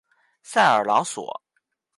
塞尔朗索。